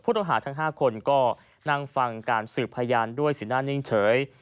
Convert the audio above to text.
ต้องหาทั้ง๕คนก็นั่งฟังการสืบพยานด้วยสีหน้านิ่งเฉย